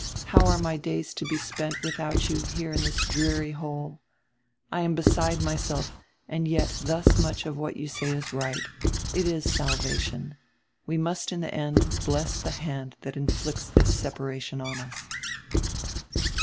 How are my days to be spent without you here in diis dreary hole? I am beside myself, and yet dius much of what you say is right; it is salvation, and we must in die end bless die hand tiiat inflicts diis separation on us."